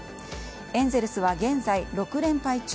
エンゼルスは現在６連敗中。